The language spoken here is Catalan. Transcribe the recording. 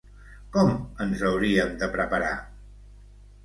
Com ens hauríem de preparar?